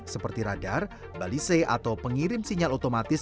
seperti radar balise atau pengirim sinyal otomatis